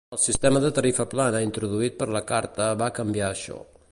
El sistema de tarifa plana introduït per la Carte va canviar això.